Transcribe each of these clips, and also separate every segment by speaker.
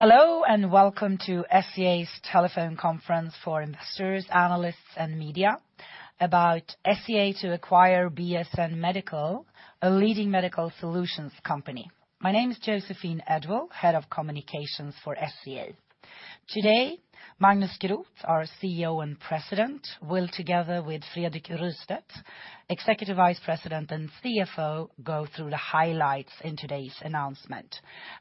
Speaker 1: Hello, welcome to SCA's telephone conference for investors, analysts, and media about SCA to acquire BSN Medical, a leading medical solutions company. My name is Joséphine Edwall-Björklund, Head of Communications for SCA. Today, Magnus Groth, our CEO and President, will together with Fredrik Rystedt, Executive Vice President and CFO, go through the highlights in today's announcement.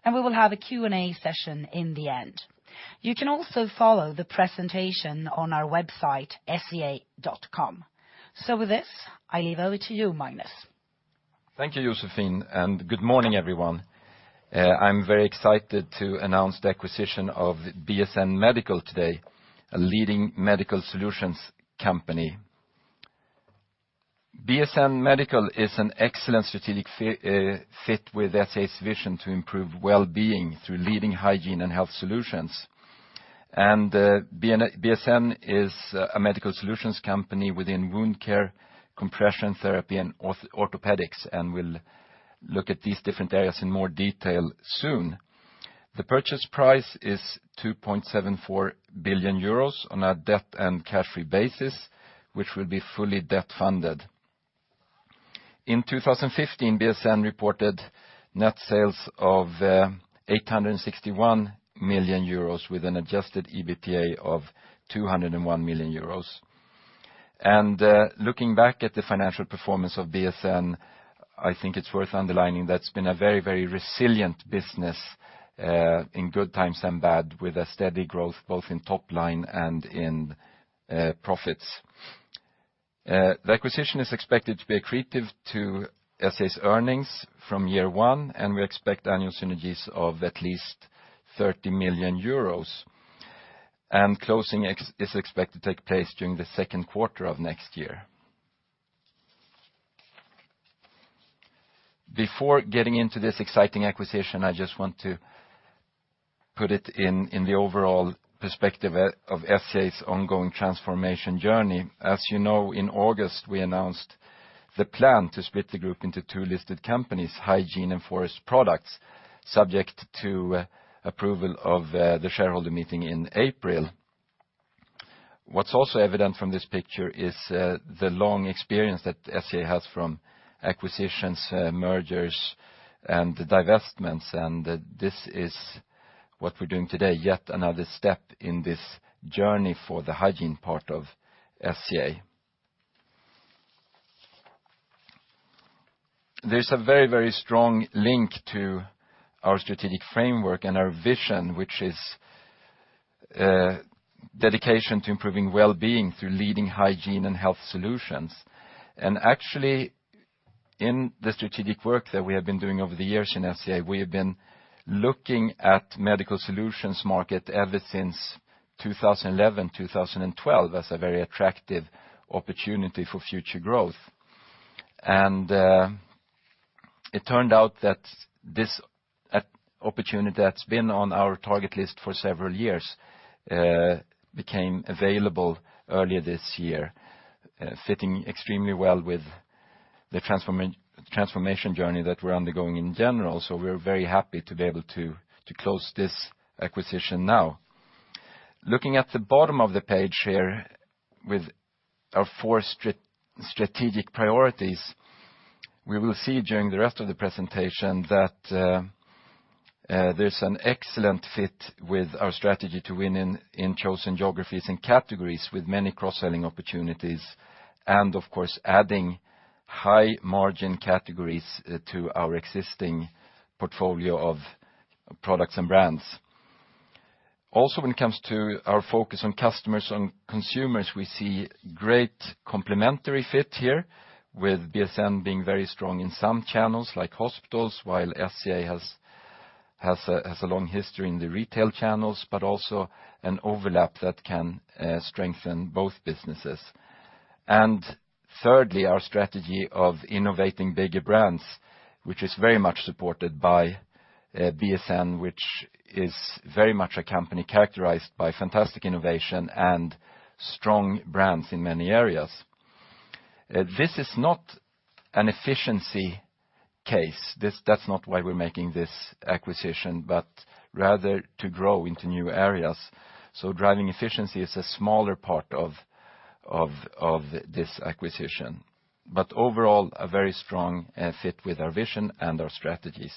Speaker 1: We will have a Q&A session in the end. You can also follow the presentation on our website, sca.com. With this, I leave over to you, Magnus.
Speaker 2: Thank you, Joséphine, good morning, everyone. I'm very excited to announce the acquisition of BSN Medical today, a leading medical solutions company. BSN Medical is an excellent strategic fit with SCA's vision to improve wellbeing through leading hygiene and health solutions. BSN is a medical solutions company within wound care, compression therapy, and orthopedics, and we'll look at these different areas in more detail soon. The purchase price is 2.74 billion euros on a debt and cash-free basis, which will be fully debt-funded. In 2015, BSN reported net sales of 861 million euros with an adjusted EBITDA of 201 million euros. Looking back at the financial performance of BSN, I think it's worth underlining that it's been a very resilient business, in good times and bad, with a steady growth both in top line and in profits. The acquisition is expected to be accretive to SCA's earnings from year one, we expect annual synergies of at least 30 million euros. Closing is expected to take place during the second quarter of next year. Before getting into this exciting acquisition, I just want to put it in the overall perspective of SCA's ongoing transformation journey. As you know, in August, we announced the plan to split the group into two listed companies, Hygiene and Forest Products, subject to approval of the shareholder meeting in April. What's also evident from this picture is the long experience that SCA has from acquisitions, mergers, and divestments, this is what we're doing today, yet another step in this journey for the hygiene part of SCA. There's a very strong link to our strategic framework and our vision, which is dedication to improving wellbeing through leading hygiene and health solutions. Actually, in the strategic work that we have been doing over the years in SCA, we have been looking at medical solutions market ever since 2011, 2012 as a very attractive opportunity for future growth. It turned out that this opportunity that's been on our target list for several years became available earlier this year, fitting extremely well with the transformation journey that we're undergoing in general. We're very happy to be able to close this acquisition now. Looking at the bottom of the page here with our four strategic priorities, we will see during the rest of the presentation that there's an excellent fit with our strategy to win in chosen geographies and categories with many cross-selling opportunities, of course, adding high-margin categories to our existing portfolio of products and brands. When it comes to our focus on customers, on consumers, we see great complementary fit here with BSN being very strong in some channels like hospitals, while SCA has a long history in the retail channels, but also an overlap that can strengthen both businesses. Thirdly, our strategy of innovating bigger brands, which is very much supported by BSN, which is very much a company characterized by fantastic innovation and strong brands in many areas. This is not an efficiency case. That's not why we're making this acquisition, but rather to grow into new areas. Driving efficiency is a smaller part of this acquisition. Overall, a very strong fit with our vision and our strategies.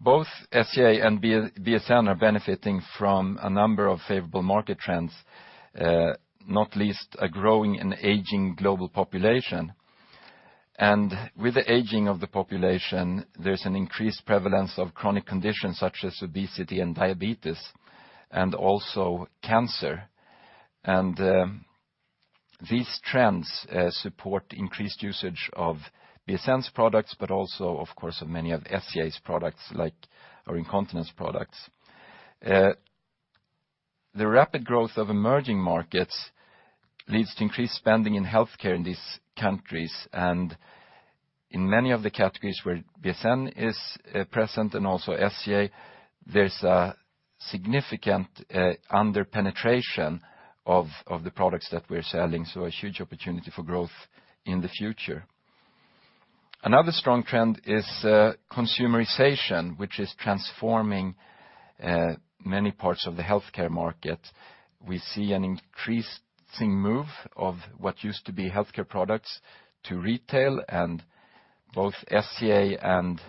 Speaker 2: Both SCA and BSN are benefiting from a number of favorable market trends, not least a growing and aging global population. With the aging of the population, there's an increased prevalence of chronic conditions such as obesity and diabetes, and also cancer. These trends support increased usage of BSN's products, but also, of course, of many of SCA's products like our incontinence products. The rapid growth of emerging markets leads to increased spending in healthcare in these countries, and in many of the categories where BSN is present and also SCA, there's a significant under-penetration of the products that we're selling, so a huge opportunity for growth in the future. Another strong trend is consumerization, which is transforming many parts of the healthcare market. We see an increasing move of what used to be healthcare products to retail, and both SCA and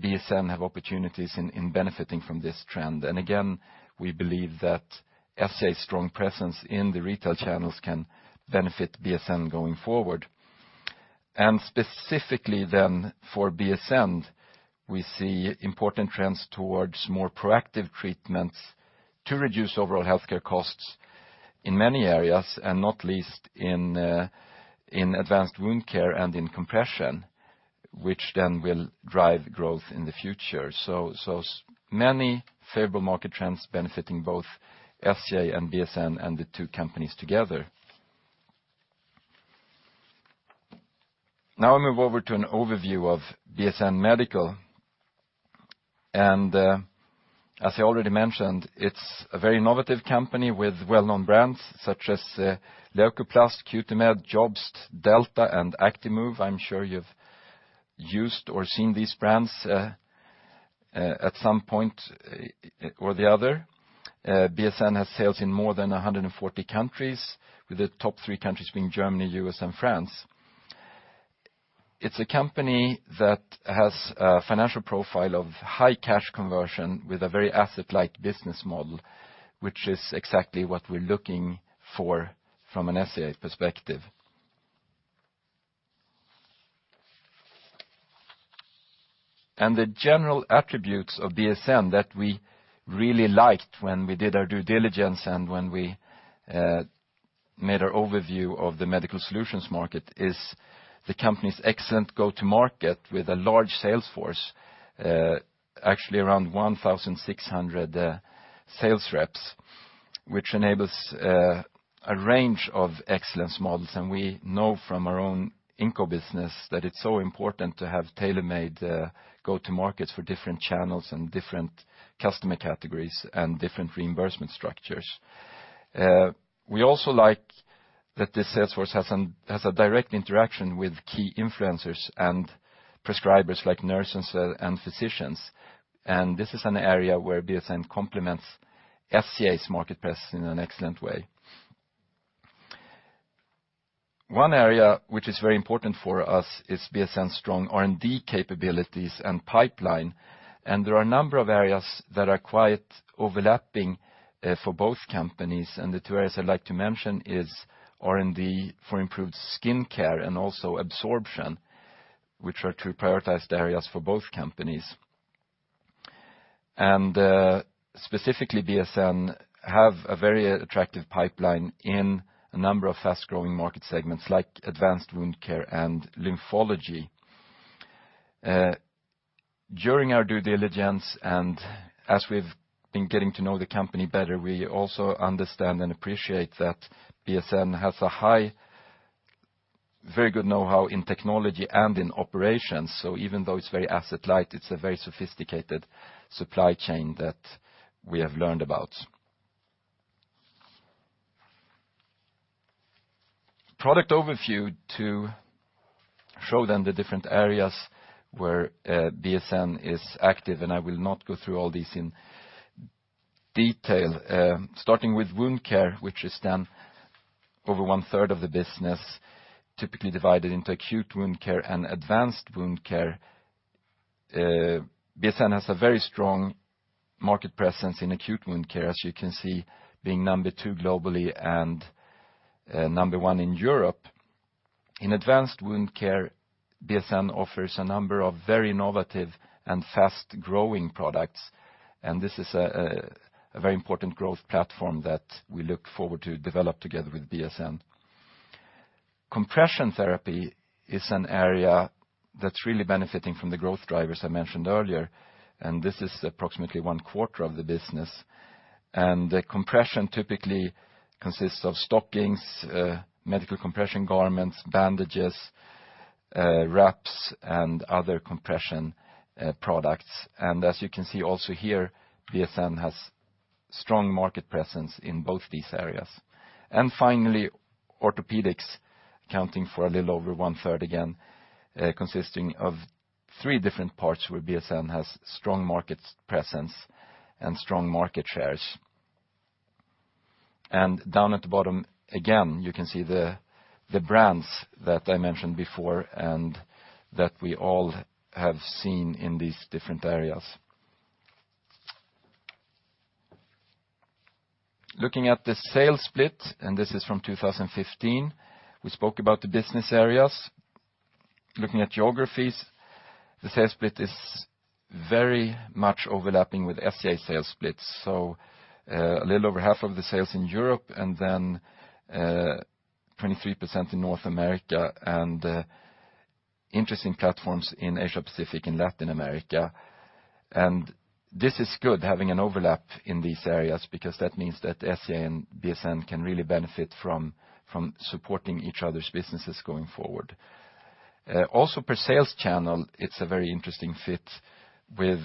Speaker 2: BSN have opportunities in benefiting from this trend. Again, we believe that SCA's strong presence in the retail channels can benefit BSN going forward. Specifically then for BSN, we see important trends towards more proactive treatments to reduce overall healthcare costs in many areas, and not least in advanced wound care and in compression, which then will drive growth in the future. Many favorable market trends benefiting both SCA and BSN and the two companies together. Now I move over to an overview of BSN Medical. As I already mentioned, it's a very innovative company with well-known brands such as Leukoplast, Cutimed, JOBST, Delta, and Actimove. I'm sure you've used or seen these brands at some point or the other. BSN has sales in more than 140 countries, with the top three countries being Germany, U.S., and France. It's a company that has a financial profile of high cash conversion with a very asset-light business model, which is exactly what we're looking for from an SCA perspective. The general attributes of BSN that we really liked when we did our due diligence and when we made our overview of the medical solutions market is the company's excellent go-to market with a large sales force, actually around 1,600 sales reps, which enables a range of excellence models. We know from our own Inco business that it's so important to have tailor-made go-to markets for different channels and different customer categories and different reimbursement structures. We also like that the sales force has a direct interaction with key influencers and prescribers like nurses and physicians. This is an area where BSN complements SCA's market presence in an excellent way. One area which is very important for us is BSN's strong R&D capabilities and pipeline, and there are a number of areas that are quite overlapping for both companies. The two areas I'd like to mention is R&D for improved skin care and also absorption, which are two prioritized areas for both companies. Specifically, BSN have a very attractive pipeline in a number of fast-growing market segments like advanced wound care and lymphology. During our due diligence and as we've been getting to know the company better, we also understand and appreciate that BSN has a very good know-how in technology and in operations. Even though it's very asset light, it's a very sophisticated supply chain that we have learned about. Product overview to show the different areas where BSN is active, and I will not go through all these in detail. Starting with wound care, which is over one-third of the business, typically divided into acute wound care and advanced wound care. BSN has a very strong market presence in acute wound care, as you can see, being number 2 globally and number 1 in Europe. In advanced wound care, BSN offers a number of very innovative and fast-growing products. This is a very important growth platform that we look forward to develop together with BSN. Compression therapy is an area that's really benefiting from the growth drivers I mentioned earlier. This is approximately one-quarter of the business. The compression typically consists of stockings, medical compression garments, bandages, wraps, and other compression products. As you can see also here, BSN has strong market presence in both these areas. Finally, orthopedics accounting for a little over one-third again, consisting of three different parts where BSN has strong market presence and strong market shares. Down at the bottom, again, you can see the brands that I mentioned before and that we all have seen in these different areas. Looking at the sales split, this is from 2015, we spoke about the business areas. Looking at geographies, the sales split is very much overlapping with SCA sales splits. A little over half of the sales in Europe, 23% in North America, and interesting platforms in Asia-Pacific and Latin America. This is good, having an overlap in these areas because that means that SCA and BSN can really benefit from supporting each other's businesses going forward. Also per sales channel, it's a very interesting fit with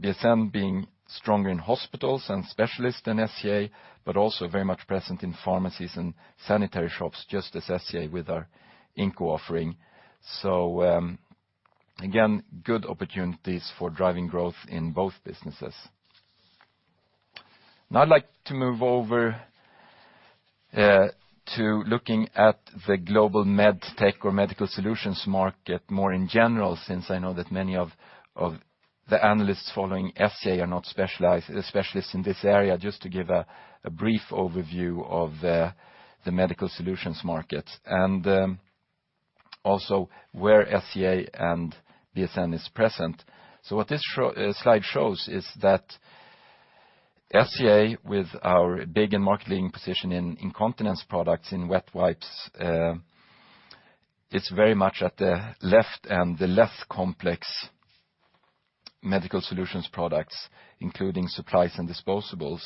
Speaker 2: BSN being stronger in hospitals and specialists than SCA, but also very much present in pharmacies and sanitary shops, just as SCA with our Inco offering. Again, good opportunities for driving growth in both businesses. Now I'd like to move over to looking at the global MedTech or medical solutions market more in general, since I know that many of the analysts following SCA are not specialists in this area, just to give a brief overview of the medical solutions market, and also where SCA and BSN is present. What this slide shows is that SCA, with our big and market-leading position in incontinence products, in wet wipes, it's very much at the left and the less complex medical solutions products, including supplies and disposables.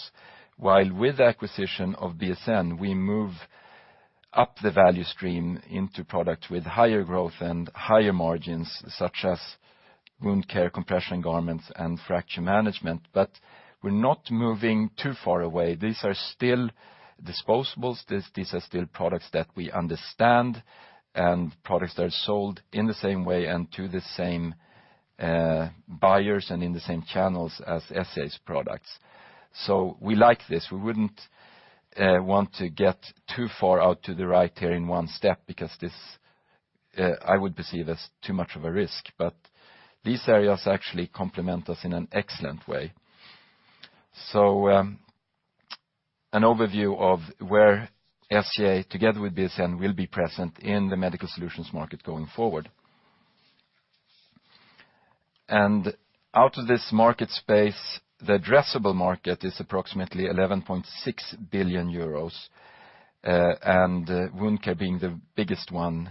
Speaker 2: While with the acquisition of BSN, we move up the value stream into products with higher growth and higher margins, such as wound care, compression garments, and fracture management. We're not moving too far away. These are still disposables. These are still products that we understand and products that are sold in the same way and to the same buyers and in the same channels as SCA's products. We like this. We wouldn't want to get too far out to the right here in one step because this, I would perceive as too much of a risk. These areas actually complement us in an excellent way. An overview of where SCA together with BSN will be present in the medical solutions market going forward. Out of this market space, the addressable market is approximately 11.6 billion euros, and wound care being the biggest one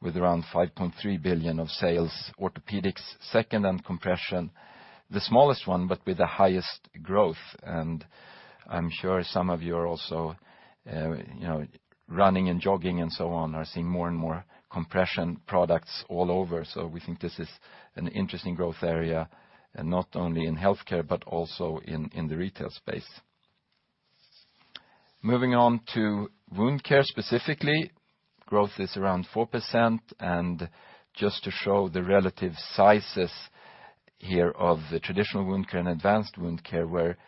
Speaker 2: with around 5.3 billion of sales, orthopedics second, and compression the smallest one, but with the highest growth. I'm sure some of you are also running and jogging and so on, are seeing more and more compression products all over. We think this is an interesting growth area, not only in healthcare but also in the retail space. Moving on to wound care specifically, growth is around 4%, just to show the relative sizes here of the traditional wound care and advanced wound care, where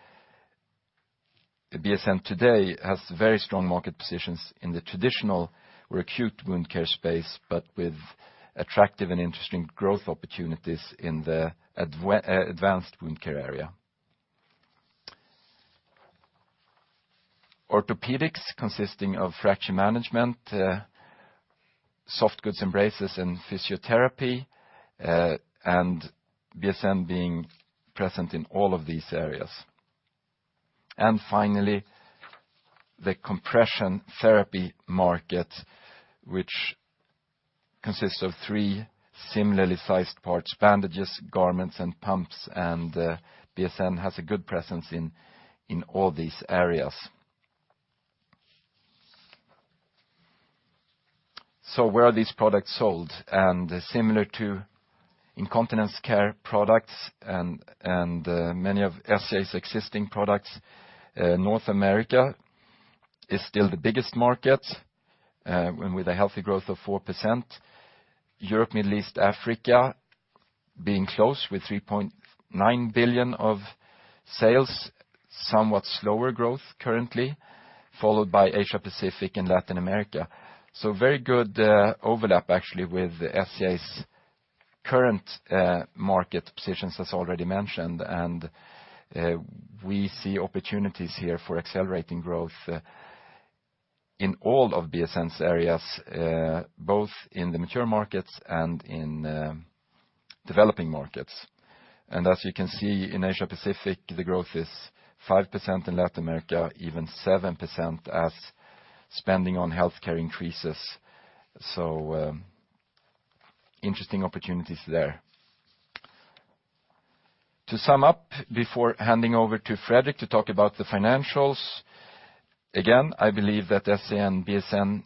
Speaker 2: BSN today has very strong market positions in the traditional or acute wound care space, but with attractive and interesting growth opportunities in the advanced wound care area. Orthopedics consisting of fracture management, soft goods and braces, and physiotherapy, and BSN being present in all of these areas. Finally, the compression therapy market, which consists of three similarly sized parts, bandages, garments, and pumps, and BSN has a good presence in all these areas. Where are these products sold? Similar to incontinence care products and many of SCA's existing products, North America is still the biggest market with a healthy growth of 4%. Europe, Middle East, Africa being close with 3.9 billion of sales, somewhat slower growth currently, followed by Asia Pacific and Latin America. Very good overlap actually with SCA's current market positions, as already mentioned. We see opportunities here for accelerating growth in all of BSN's areas, both in the mature markets and in developing markets. As you can see in Asia Pacific, the growth is 5%, in Latin America even 7%, as spending on healthcare increases. Interesting opportunities there. To sum up, before handing over to Fredrik to talk about the financials, again, I believe that SCA and BSN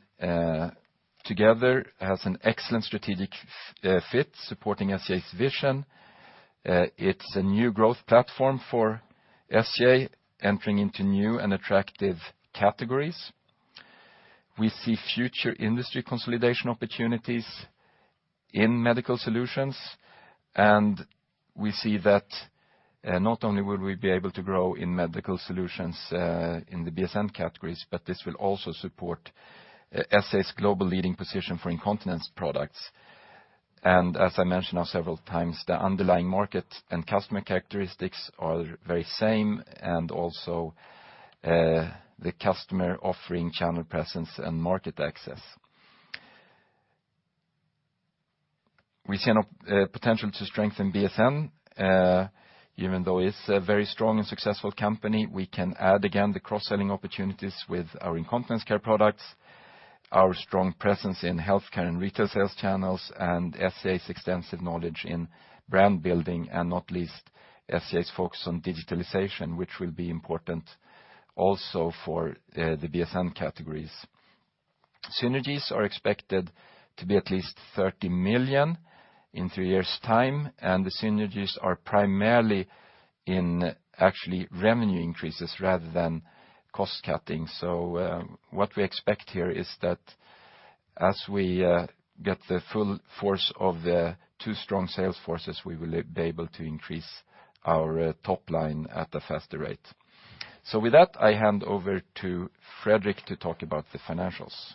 Speaker 2: together has an excellent strategic fit supporting SCA's vision. It's a new growth platform for SCA entering into new and attractive categories. We see future industry consolidation opportunities in medical solutions, and we see that not only will we be able to grow in medical solutions in the BSN categories, but this will also support SCA's global leading position for incontinence products. As I mentioned now several times, the underlying market and customer characteristics are very same, and also the customer offering channel presence and market access. We see a potential to strengthen BSN, even though it's a very strong and successful company. We can add, again, the cross-selling opportunities with our incontinence care products, our strong presence in healthcare and retail sales channels, and SCA's extensive knowledge in brand building, and not least SCA's focus on digitalization, which will be important also for the BSN categories. Synergies are expected to be at least 30 million in 3 years' time. The synergies are primarily in actually revenue increases rather than cost-cutting. What we expect here is that as we get the full force of the two strong sales forces, we will be able to increase our top line at a faster rate. With that, I hand over to Fredrik to talk about the financials.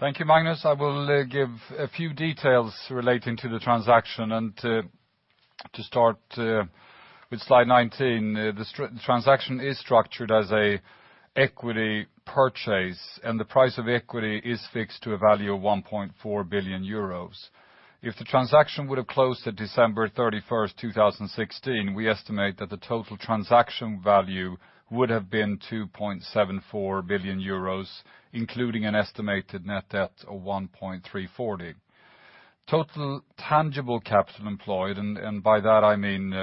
Speaker 3: Thank you, Magnus. I will give a few details relating to the transaction to start with slide 19. The transaction is structured as an equity purchase. The price of equity is fixed to a value of 1.4 billion euros. If the transaction would have closed at December 31st, 2016, we estimate that the total transaction value would have been 2.74 billion euros, including an estimated net debt of 1.34 billion. Total tangible capital employed, and by that I mean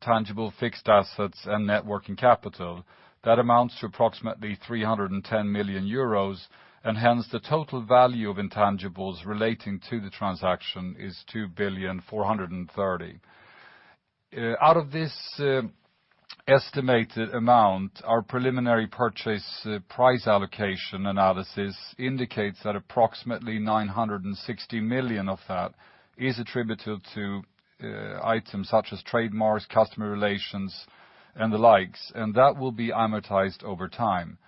Speaker 3: tangible fixed assets and net working capital, that amounts to approximately 310 million euros. Hence, the total value of intangibles relating to the transaction is 2.43 billion. Out of this estimated amount, our preliminary purchase price allocation analysis indicates that approximately 960 million of that is attributable to items such as trademarks, customer relations, and the likes. That will be amortized over time.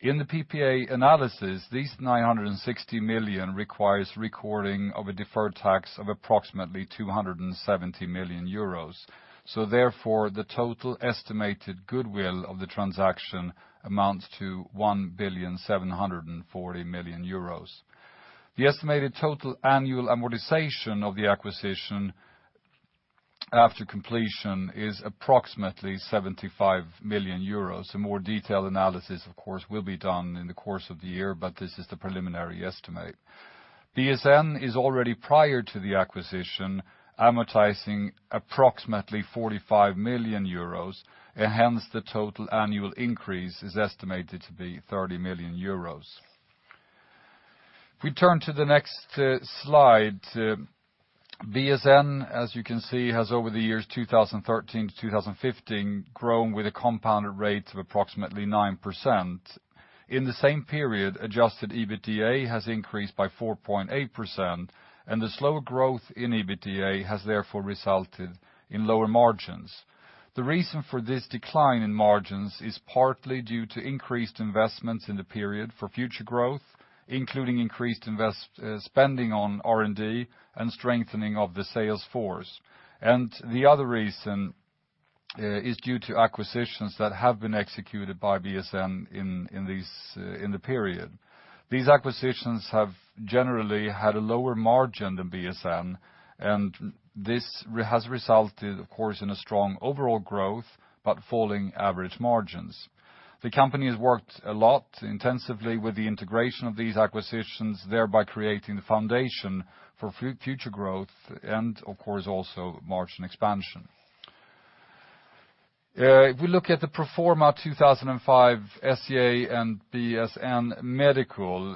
Speaker 3: In the PPA analysis, this 960 million requires recording of a deferred tax of approximately 270 million euros. Therefore, the total estimated goodwill of the transaction amounts to 1.74 billion. The estimated total annual amortization of the acquisition after completion is approximately 75 million euros. A more detailed analysis, of course, will be done in the course of the year, but this is the preliminary estimate. BSN is already prior to the acquisition, amortizing approximately 45 million euros. Hence, the total annual increase is estimated to be 30 million euros. If we turn to the next slide, BSN, as you can see, has over the years 2013 to 2015 grown with a compounded rate of approximately 9%. In the same period, adjusted EBITDA has increased by 4.8%. The slower growth in EBITDA has therefore resulted in lower margins. The reason for this decline in margins is partly due to increased investments in the period for future growth, including increased spending on R&D and strengthening of the sales force. The other reason is due to acquisitions that have been executed by BSN in the period. These acquisitions have generally had a lower margin than BSN. This has resulted, of course, in a strong overall growth, but falling average margins. The company has worked a lot intensively with the integration of these acquisitions, thereby creating the foundation for future growth and of course also margin expansion. If we look at the pro forma 2015 SCA and BSN Medical,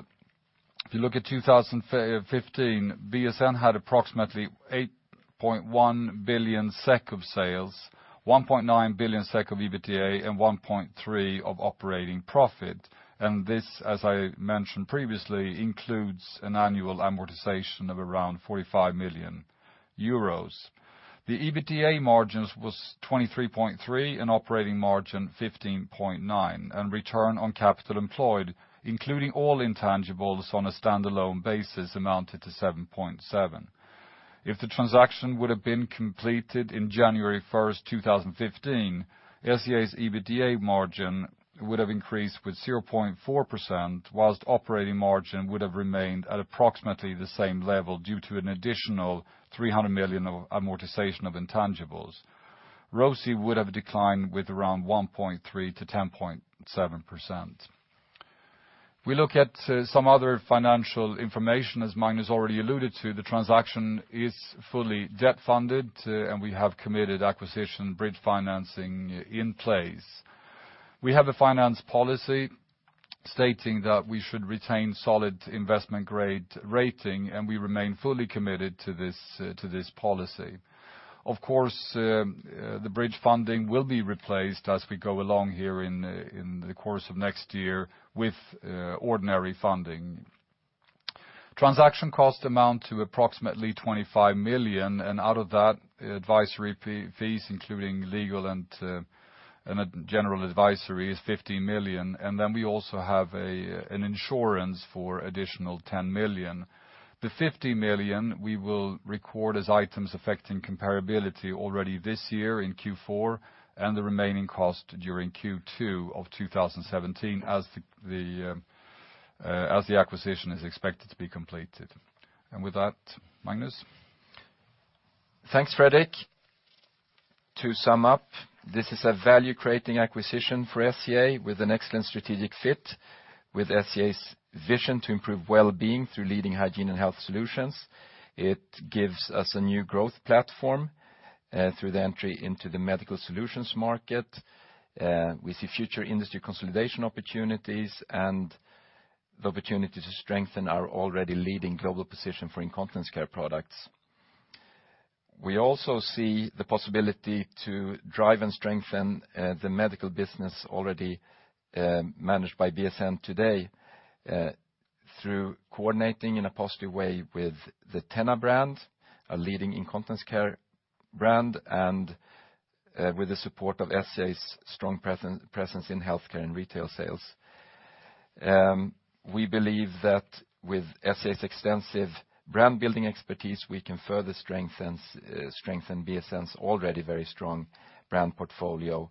Speaker 3: if you look at 2015, BSN had approximately 8.1 billion SEK of sales, 1.9 billion SEK of EBITDA, and 1.3 billion SEK of operating profit. This, as I mentioned previously, includes an annual amortization of around 45 million euros. The EBITDA margins was 23.3% and operating margin 15.9%, and return on capital employed, including all intangibles on a standalone basis amounted to 7.7%. If the transaction would have been completed on January 1, 2015, SCA's EBITDA margin would have increased with 0.4% whilst operating margin would have remained at approximately the same level due to an additional 300 million of amortization of intangibles. ROCE would have declined with around 1.3% to 10.7%. If we look at some other financial information, as Magnus already alluded to, the transaction is fully debt-funded. We have committed acquisition bridge financing in place. We have a finance policy stating that we should retain solid investment-grade rating. We remain fully committed to this policy. Of course, the bridge funding will be replaced as we go along here in the course of next year with ordinary funding. Transaction cost amount to approximately 25 million. Out of that, advisory fees, including legal and general advisory, is 50 million. Then we also have an insurance for additional 10 million. The 50 million we will record as items affecting comparability already this year in Q4 and the remaining cost during Q2 2017 as the acquisition is expected to be completed. With that, Magnus.
Speaker 2: Thanks, Fredrik. To sum up, this is a value-creating acquisition for SCA with an excellent strategic fit with SCA's vision to improve well-being through leading hygiene and health solutions. It gives us a new growth platform through the entry into the medical solutions market. We see future industry consolidation opportunities and the opportunity to strengthen our already leading global position for incontinence care products. We also see the possibility to drive and strengthen the medical business already managed by BSN today through coordinating in a positive way with the TENA brand, a leading incontinence care brand, with the support of SCA's strong presence in healthcare and retail sales. We believe that with SCA's extensive brand-building expertise, we can further strengthen BSN's already very strong brand portfolio.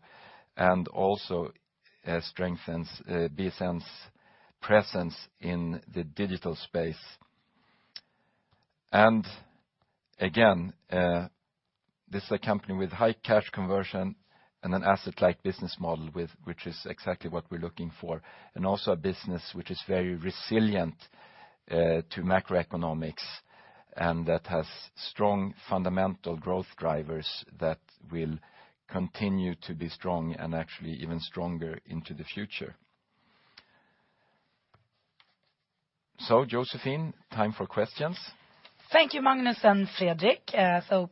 Speaker 2: Also strengthen BSN's presence in the digital space. Again, this is a company with high cash conversion and an asset-light business model, which is exactly what we're looking for. Also a business which is very resilient to macroeconomics, that has strong fundamental growth drivers that will continue to be strong, actually even stronger into the future. Joséphine, time for questions.
Speaker 1: Thank you, Magnus and Fredrik.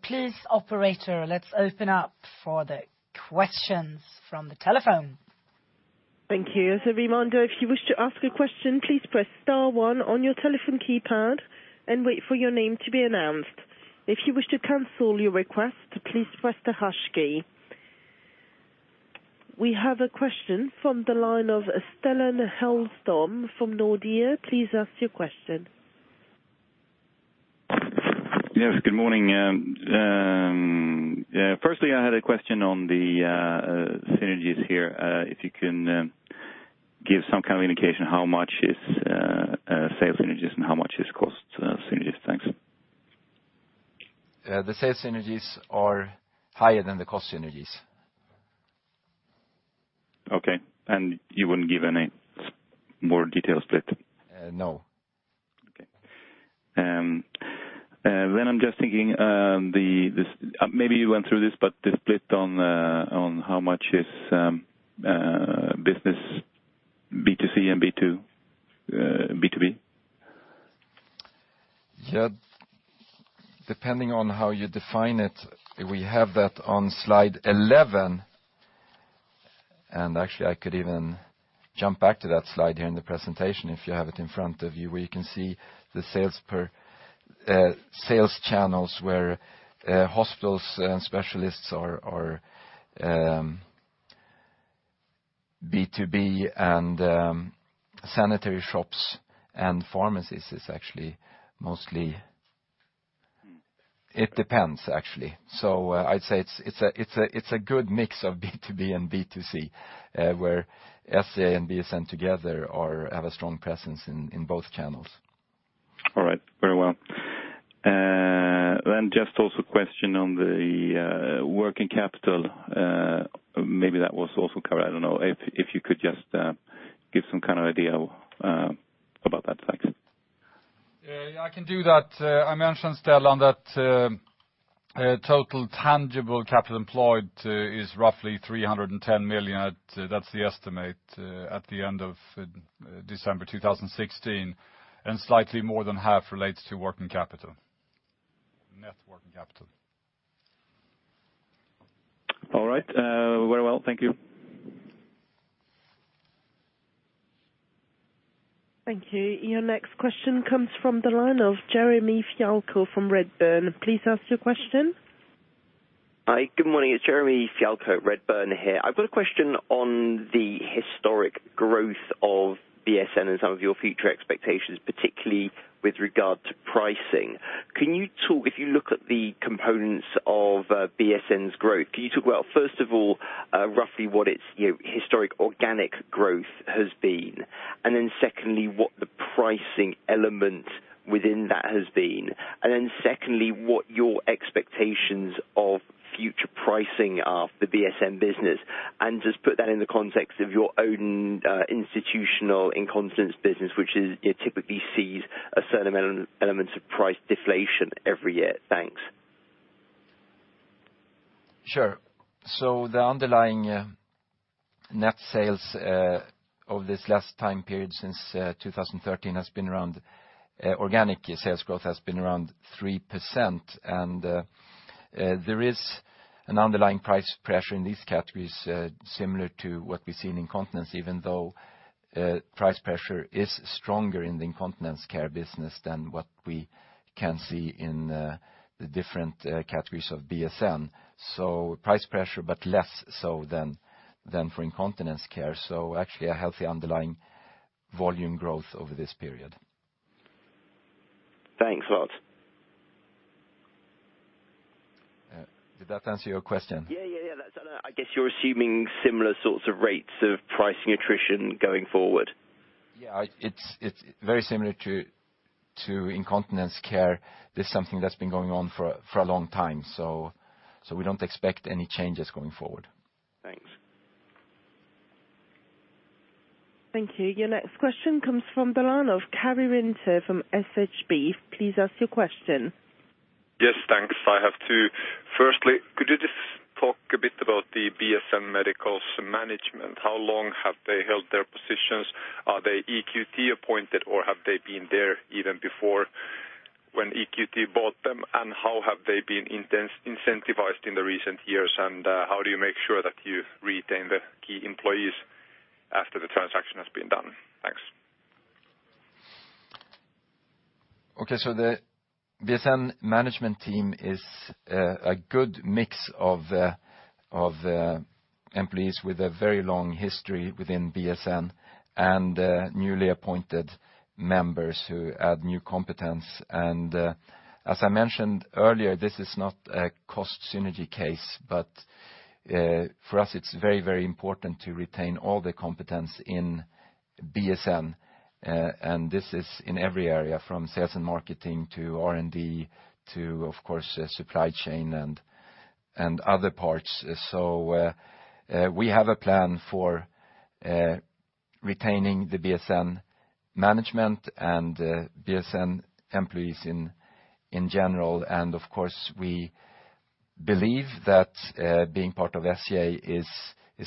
Speaker 1: Please, operator, let's open up for the questions from the telephone.
Speaker 4: Thank you. As a reminder, if you wish to ask a question, please press star one on your telephone keypad and wait for your name to be announced. If you wish to cancel your request, please press the hash key. We have a question from the line of Stellan Hellström from Nordea. Please ask your question.
Speaker 5: Yes, good morning. Firstly, I had a question on the synergies here, if you can give some kind of indication how much is sales synergies and how much is cost synergies. Thanks.
Speaker 2: The sales synergies are higher than the cost synergies.
Speaker 5: Okay. You wouldn't give any more detail split?
Speaker 2: No.
Speaker 5: Okay. I'm just thinking, maybe you went through this, but the split on how much is business B2C and B2B?
Speaker 2: Yeah. Depending on how you define it, we have that on slide 11. Actually, I could even jump back to that slide here in the presentation if you have it in front of you, where you can see the sales channels, where hospitals and specialists are B2B and sanitary shops and pharmacies is actually mostly It depends, actually. I'd say it's a good mix of B2B and B2C, where SCA and BSN together have a strong presence in both channels.
Speaker 5: All right. Very well. Just also a question on the working capital. Maybe that was also covered, I don't know. If you could just give some kind of idea about that. Thanks.
Speaker 3: Yeah, I can do that. I mentioned, Stellan, that total tangible capital employed is roughly 310 million. That's the estimate at the end of December 2016, and slightly more than half relates to working capital, net working capital.
Speaker 5: All right. Very well. Thank you.
Speaker 4: Thank you. Your next question comes from the line of Jeremy Fialko from Redburn. Please ask your question.
Speaker 6: Hi, good morning. It's Jeremy Fialko, Redburn here. I've got a question on the historic growth of BSN and some of your future expectations, particularly with regard to pricing. If you look at the components of BSN's growth, can you talk about, first of all, roughly what its historic organic growth has been. Then secondly, what the pricing element within that has been, and then secondly, what your expectations of future pricing are for the BSN business, and just put that in the context of your own institutional incontinence business, which typically sees a certain element of price deflation every year. Thanks.
Speaker 2: Sure. The underlying net sales of this last time period since 2013 has been around, organic sales growth has been around 3%, and there is an underlying price pressure in these categories, similar to what we see in incontinence, even though price pressure is stronger in the Incontinence Care business than what we can see in the different categories of BSN. Price pressure, but less so than for incontinence care. Actually a healthy underlying volume growth over this period.
Speaker 6: Thanks a lot.
Speaker 2: Did that answer your question?
Speaker 6: Yeah. I guess you're assuming similar sorts of rates of pricing attrition going forward?
Speaker 2: Yeah, it's very similar to incontinence care. This is something that's been going on for a long time. We don't expect any changes going forward.
Speaker 6: Thanks.
Speaker 4: Thank you. Your next question comes from the line of Karri Rinta from SHB. Please ask your question.
Speaker 7: Yes. Thanks. I have two. Firstly, could you just talk a bit about the BSN Medical management. How long have they held their positions? Are they EQT appointed or have they been there even before when EQT bought them? How have they been incentivized in the recent years, and how do you make sure that you retain the key employees after the transaction has been done? Thanks.
Speaker 2: Okay. The BSN management team is a good mix of employees with a very long history within BSN and newly appointed members who add new competence. As I mentioned earlier, this is not a cost synergy case, but for us, it's very, very important to retain all the competence in BSN, and this is in every area, from sales and marketing to R&D to, of course, supply chain and other parts. We have a plan for retaining the BSN management and BSN employees in general. Of course, we believe that being part of SCA is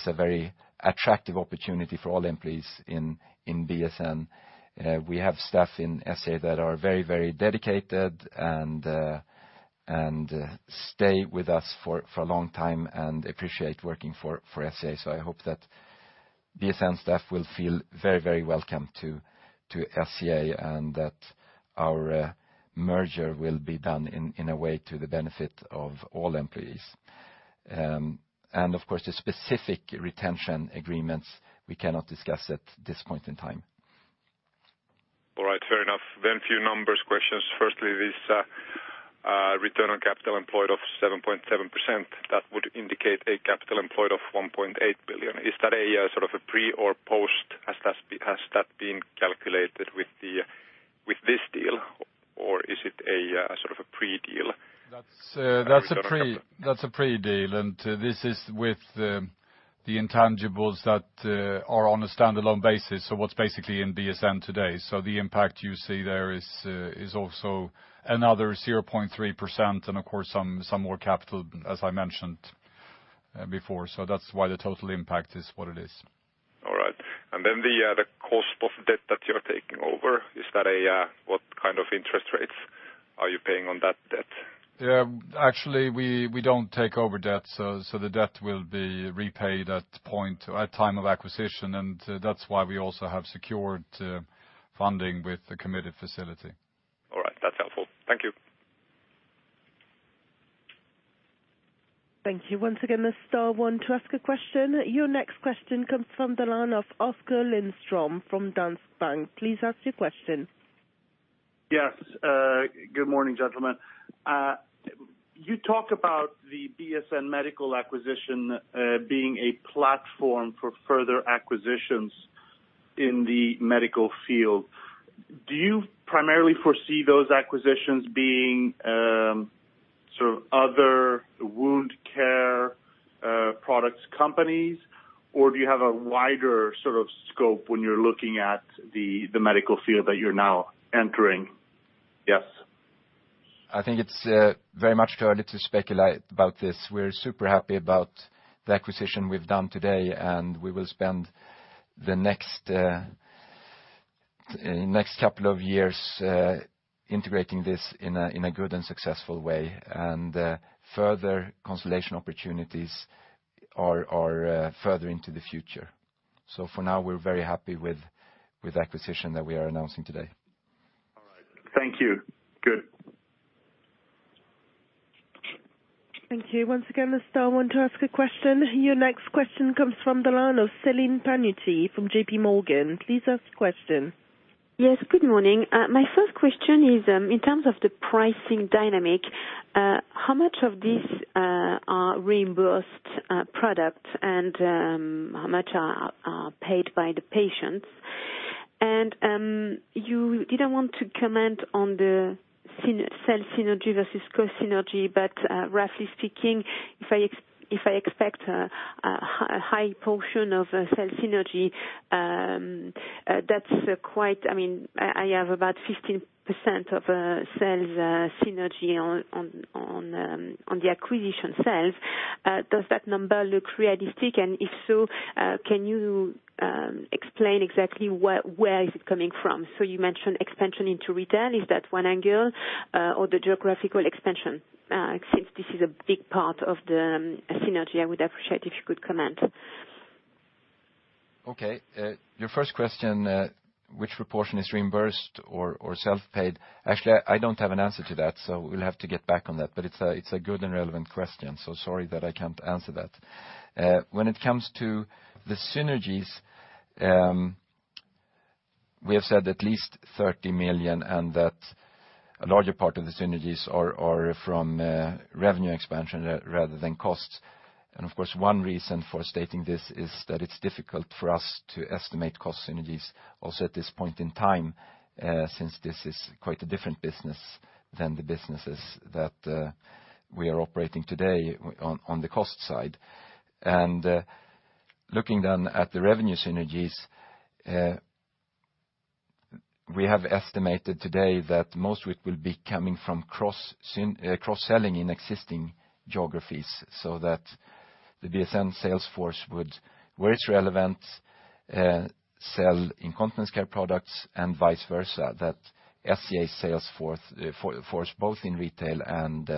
Speaker 2: a very attractive opportunity for all employees in BSN. We have staff in SCA that are very, very dedicated and stay with us for a long time and appreciate working for SCA. I hope that BSN staff will feel very, very welcome to SCA and that our merger will be done in a way to the benefit of all employees. Of course, the specific retention agreements we cannot discuss at this point in time.
Speaker 7: All right. Fair enough. A few numbers questions. Firstly, this return on capital employed of 7.7%, that would indicate a capital employed of 1.8 billion. Is that a pre or post? Has that been calculated with this deal or is it a pre-deal?
Speaker 3: That's a pre-deal. This is with the intangibles that are on a standalone basis, what's basically in BSN today. The impact you see there is also another 0.3%. Of course, some more capital, as I mentioned before. That's why the total impact is what it is.
Speaker 7: All right. The cost of debt that you're taking over, what kind of interest rates are you paying on that debt?
Speaker 3: Actually, we don't take over debt, so the debt will be repaid at time of acquisition, and that's why we also have secured funding with the committed facility.
Speaker 7: All right. That's helpful. Thank you.
Speaker 4: Thank you. Once again, star one to ask a question. Your next question comes from the line of Oskar Lindström from Danske Bank. Please ask your question.
Speaker 8: Yes. Good morning, gentlemen. You talk about the BSN Medical acquisition being a platform for further acquisitions in the medical field. Do you primarily foresee those acquisitions being other wound care products companies, or do you have a wider scope when you're looking at the medical field that you're now entering? Yes.
Speaker 2: I think it's very much too early to speculate about this. We're super happy about the acquisition we've done today, and we will spend the next couple of years integrating this in a good and successful way. Further consolidation opportunities are further into the future. For now, we're very happy with the acquisition that we are announcing today.
Speaker 8: All right. Thank you. Good.
Speaker 4: Thank you. Once again, star one to ask a question. Your next question comes from the line of Celine Pannuti from J.P. Morgan. Please ask your question.
Speaker 9: Yes, good morning. My first question is, in terms of the pricing dynamic, how much of these are reimbursed products and how much are paid by the patients? You didn't want to comment on the sales synergy versus cost synergy, but roughly speaking, if I expect a high portion of sales synergy, I have about 15% of sales synergy on the acquisition sales. Does that number look realistic? If so, can you explain exactly where is it coming from? You mentioned expansion into retail. Is that one angle or the geographical expansion? Since this is a big part of the synergy, I would appreciate if you could comment.
Speaker 2: Okay. Your first question, which portion is reimbursed or self-paid? Actually, I don't have an answer to that. We'll have to get back on that. It's a good and relevant question. Sorry that I can't answer that. When it comes to the synergies, we have said at least 30 million. A larger part of the synergies are from revenue expansion rather than costs. Of course, one reason for stating this is that it's difficult for us to estimate cost synergies also at this point in time, since this is quite a different business than the businesses that we are operating today on the cost side. Looking at the revenue synergies, we have estimated today that most of it will be coming from cross-selling in existing geographies, so that the BSN sales force would, where it's relevant, sell incontinence care products and vice versa, that SCA sales force, both in retail and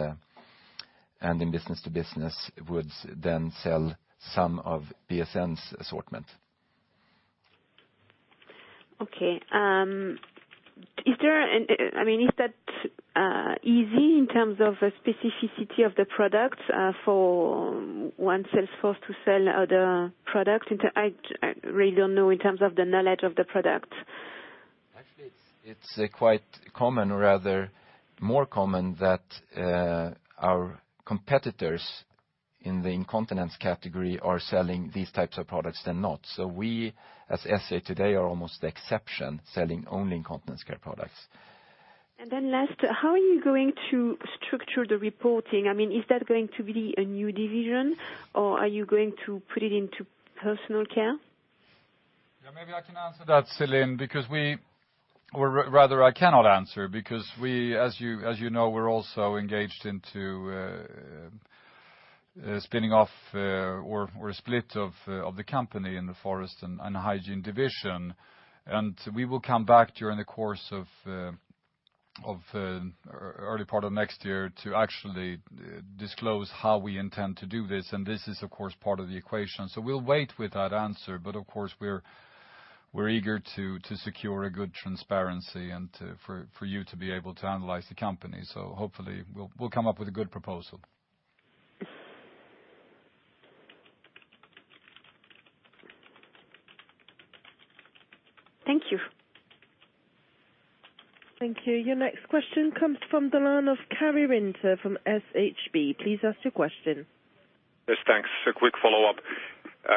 Speaker 2: in business to business, would then sell some of BSN's assortment.
Speaker 9: Okay. Is that easy in terms of specificity of the product for one sales force to sell other products? I really don't know in terms of the knowledge of the product.
Speaker 2: Actually, it's quite common, or rather more common that our competitors in the incontinence category are selling these types of products than not. We, as SCA today, are almost the exception, selling only incontinence care products.
Speaker 9: Last, how are you going to structure the reporting? Is that going to be a new division, or are you going to put it into personal care?
Speaker 3: Yeah, maybe I can answer that, Celine. Rather, I cannot answer because as you know, we're also engaged into spinning off or a split of the company in the forest and hygiene division. We will come back during the course of early part of next year to actually disclose how we intend to do this, and this is, of course, part of the equation. We'll wait with that answer, but of course, we're eager to secure a good transparency and for you to be able to analyze the company. Hopefully we'll come up with a good proposal.
Speaker 9: Thank you.
Speaker 4: Thank you. Your next question comes from the line of Karri Rinta from SHB. Please ask your question.
Speaker 7: Yes, thanks. A quick follow-up.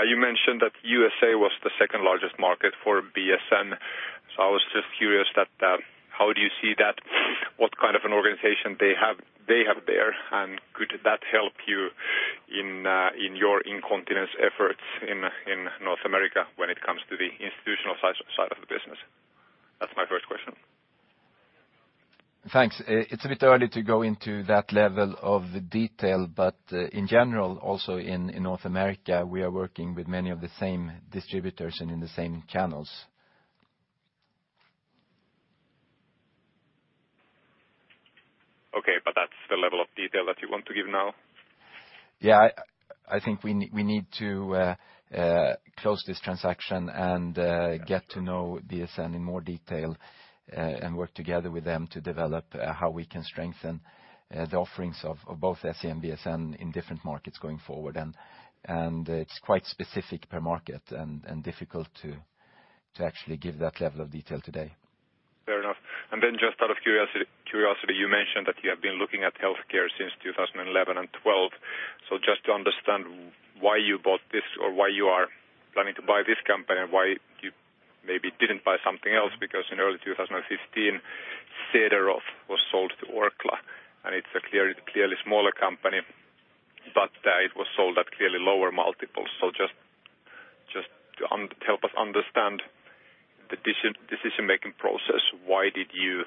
Speaker 7: You mentioned that the U.S. was the second largest market for BSN. I was just curious, how do you see that? What kind of an organization they have there, and could that help you in your incontinence efforts in North America when it comes to the institutional side of the business? That's my first question.
Speaker 2: Thanks. It's a bit early to go into that level of detail, in general, also in North America, we are working with many of the same distributors and in the same channels.
Speaker 7: That's the level of detail that you want to give now?
Speaker 2: I think we need to close this transaction and get to know BSN in more detail, and work together with them to develop how we can strengthen the offerings of both SCA and BSN in different markets going forward. It's quite specific per market, and difficult to actually give that level of detail today.
Speaker 7: Fair enough. Just out of curiosity, you mentioned that you have been looking at healthcare since 2011 and 2012. Just to understand why you bought this or why you are planning to buy this company, and why you maybe didn't buy something else, because in early 2015, Cederroth was sold to Orkla, and it is a clearly smaller company, it was sold at clearly lower multiples. Just to help us understand the decision-making process, why did you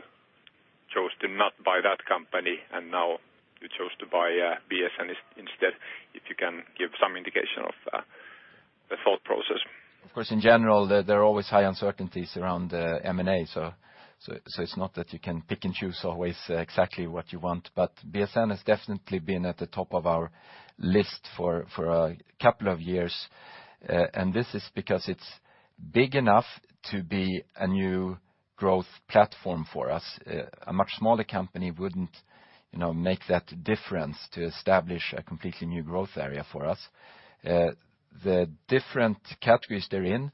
Speaker 7: choose to not buy that company, and now you chose to buy BSN instead? If you can give some indication of the thought process.
Speaker 2: Of course, in general, there are always high uncertainties around M&A. It is not that you can pick and choose always exactly what you want. BSN has definitely been at the top of our list for a couple of years. This is because it is big enough to be a new growth platform for us. A much smaller company wouldn't make that difference to establish a completely new growth area for us. The different categories they are in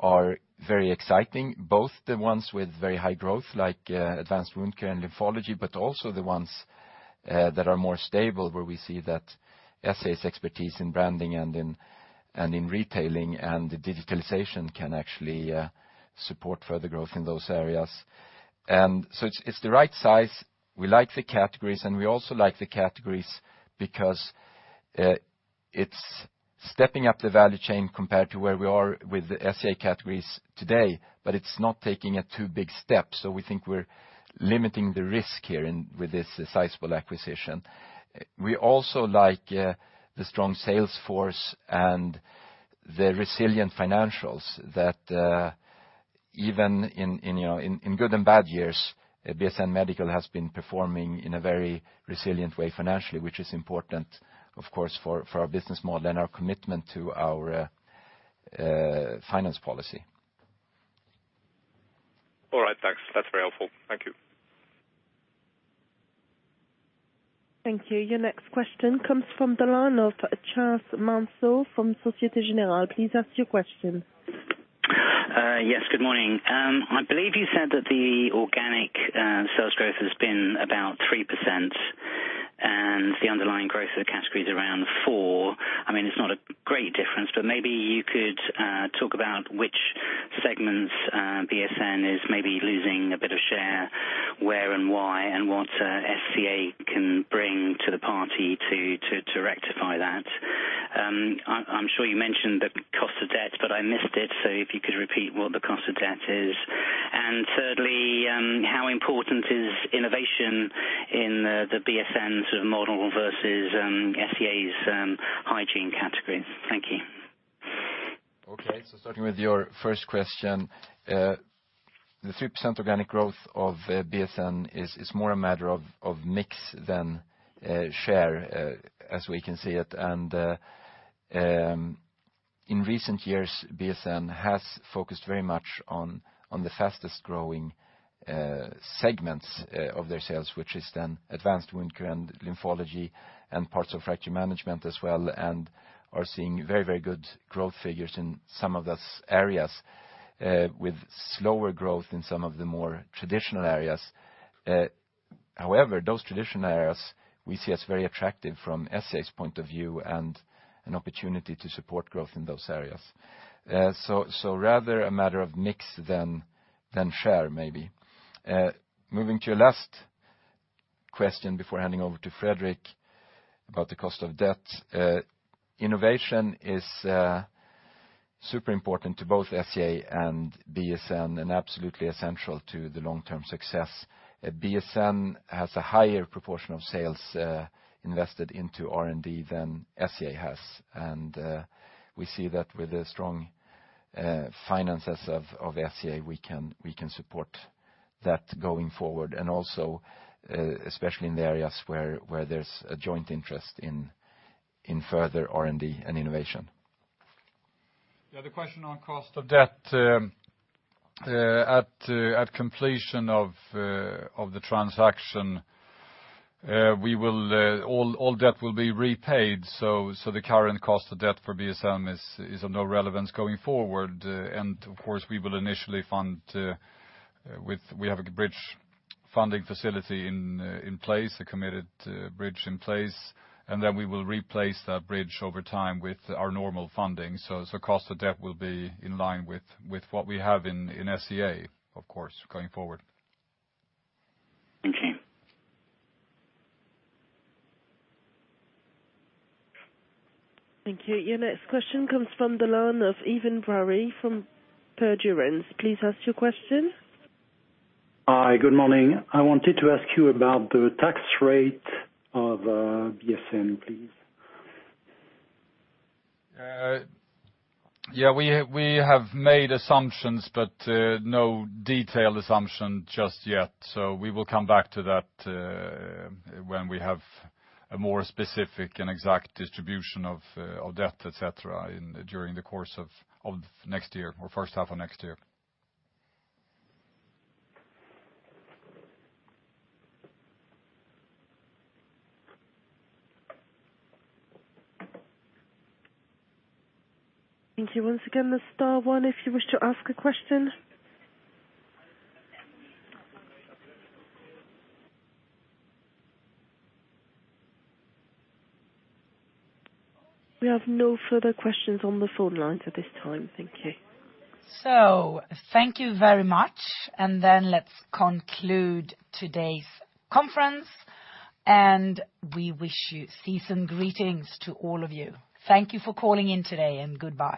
Speaker 2: are very exciting, both the ones with very high growth, like advanced wound care and lymphology, also the ones that are more stable, where we see that SCA's expertise in branding and in retailing and digitalization can actually support further growth in those areas. It is the right size. We like the categories, we also like the categories because it is stepping up the value chain compared to where we are with the SCA categories today, it is not taking a too big step. We think we are limiting the risk here with this sizable acquisition. We also like the strong sales force and the resilient financials that even in good and bad years, BSN Medical has been performing in a very resilient way financially, which is important, of course, for our business model and our commitment to our finance policy.
Speaker 7: All right, thanks. That is very helpful. Thank you.
Speaker 4: Thank you. Your next question comes from the line of Charles Manso from Société Générale. Please ask your question.
Speaker 10: Yes, good morning. I believe you said that the organic sales growth has been about 3% and the underlying growth of the category is around four. It is not a great difference, but maybe you could talk about which segments BSN is maybe losing a bit of, where and why and what SCA can bring to the party to rectify that. I am sure you mentioned the cost of debt, but I missed it. If you could repeat what the cost of debt is. Thirdly, how important is innovation in the BSN sort of model versus SCA's hygiene category? Thank you.
Speaker 2: Okay. Starting with your first question. The 3% organic growth of BSN is more a matter of mix than share, as we can see it. In recent years, BSN has focused very much on the fastest-growing segments of their sales, which is then advanced wound care and lymphology and parts of fracture management as well, and are seeing very good growth figures in some of those areas, with slower growth in some of the more traditional areas. However, those traditional areas we see as very attractive from SCA's point of view and an opportunity to support growth in those areas. Rather a matter of mix than share maybe. Moving to your last question before handing over to Fredrik about the cost of debt. Innovation is super important to both SCA and BSN, and absolutely essential to the long-term success. BSN has a higher proportion of sales invested into R&D than SCA has. We see that with the strong finances of SCA, we can support that going forward, and also especially in the areas where there is a joint interest in further R&D and innovation.
Speaker 3: The question on cost of debt. At completion of the transaction all debt will be repaid. The current cost of debt for BSN is of no relevance going forward. Of course, we will initially fund. We have a bridge funding facility in place, a committed bridge in place, and then we will replace that bridge over time with our normal funding. Cost of debt will be in line with what we have in SCA, of course, going forward.
Speaker 10: Thank you.
Speaker 4: Thank you. Your next question comes from the line of Ivan Briery from Perdurance. Please ask your question.
Speaker 11: Hi. Good morning. I wanted to ask you about the tax rate of BSN, please.
Speaker 3: Yeah, we have made assumptions, but no detailed assumption just yet. We will come back to that when we have a more specific and exact distribution of debt, et cetera, during the course of next year or first half of next year.
Speaker 4: Thank you. Once again, the star one if you wish to ask a question. We have no further questions on the phone lines at this time. Thank you.
Speaker 1: Thank you very much. Let's conclude today's conference, and we wish you season greetings to all of you. Thank you for calling in today. Goodbye.